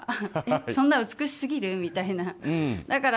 そんな美しすぎる？みたいな。